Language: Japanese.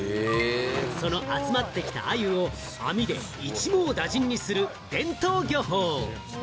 その集まってきた鮎を網で一網打尽にする伝統漁法。